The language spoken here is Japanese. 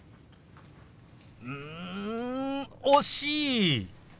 うん惜しい！